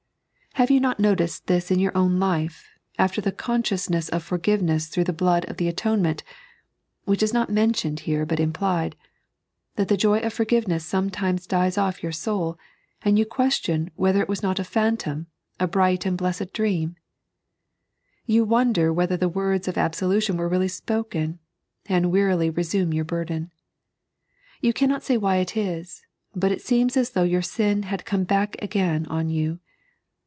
Have you not noticed this in your own life, after the consciousness of for|;iveness through the Blood of the Atonement (which is not mentioned here but implied), that the joy of forgiveness sometimes dies off youi" soul, and you question whether it was not a phantom, a bright and bleened dream t You wonder whether the words of absolu tion were really spoken, and wearily resume your burden. You cannot tell why it is, but it seems as though your sin had come back again on you.